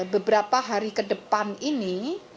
beberapa hari ke depan ini